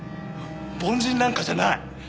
凡人なんかじゃない！